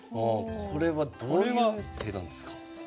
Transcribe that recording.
これはどういう手なんですか？